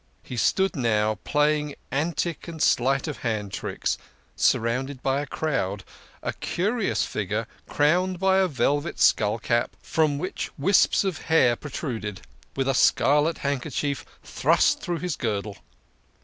He stood now playing antic and sleight of hand tricks surrounded by a crowd a curious figure crowned by a velvet skull cap from which wisps of hair protruded, with a scarlet handker chief thrust through his girdle.